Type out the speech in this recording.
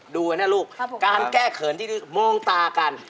ดูไว้นะลูกการแก้เขินที่มองตากัน